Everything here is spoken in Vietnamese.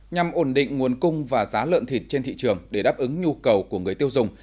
nhằm ổn định nguồn cung và giá lợn thịt trên thị trường để đáp ứng nhu cầu của người tiêu dùng